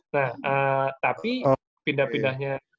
nah tapi pindah pindahnya